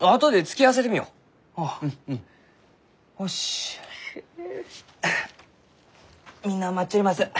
あみんな待っちょります。